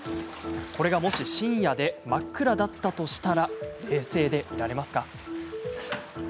これが、もし深夜で真っ暗だったとしたら冷静でいられますか？